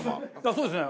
そうですね。